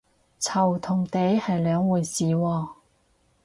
嘈同嗲係兩回事喎